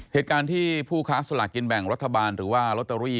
เหตุการณ์ที่ผู้ค้าสลากกินแบ่งรัฐบาลหรือว่าลอตเตอรี่